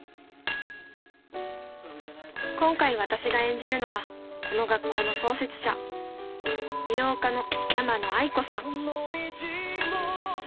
今回私が演じるのはこの学校の創設者美容家の山野愛子さん